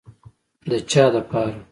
د چا دپاره.